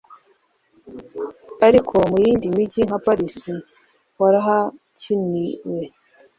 ariko mu yindi mijyi nka Paris warahakiniwe